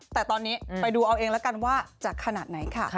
แต่ตอนนี้ไปดูเอาเองแล้วกันว่าจะขนาดไหนค่ะ